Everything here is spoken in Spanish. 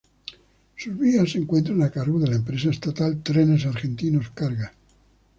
Sus vías se encuentran a cargo de la empresa estatal Trenes Argentinos Cargas.